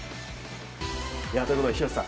ということで、廣瀬さん